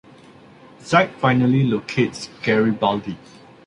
Zack finally locates Garibaldi.